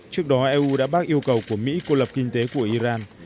trước đó eu đã bác yêu cầu của mỹ cô lập kinh tế của iran